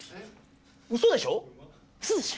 うそでしょ？